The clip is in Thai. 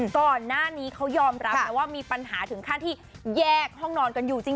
ก่อนหน้านี้เขายอมรับนะว่ามีปัญหาถึงขั้นที่แยกห้องนอนกันอยู่จริง